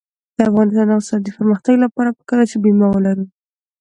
د افغانستان د اقتصادي پرمختګ لپاره پکار ده چې بیمه ولرو.